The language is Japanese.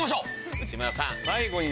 内村さん。